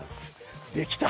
できた。